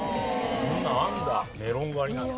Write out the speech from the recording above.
そんなのあるんだメロン狩りなんて。